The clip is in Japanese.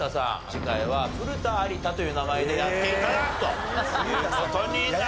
次回は古田有太という名前でやって頂くという事になります。